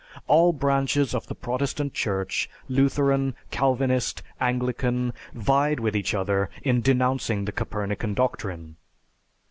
All branches of the Protestant Church, Lutheran, Calvinist, Anglican, vied with each other in denouncing the Copernican doctrine.